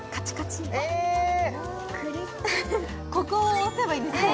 ここを押せばいいんですね？